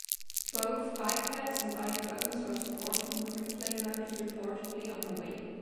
Both iPads and iPhones are supported and freeplay mode is reportedly on the way.